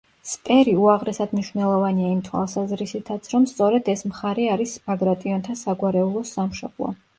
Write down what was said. სპერი უაღრესად მნიშვნელოვანია იმ თვალსაზრისითაც, რომ სწორედ ეს მხარე არის ბაგრატიონთა საგვარეულოს სამშობლო.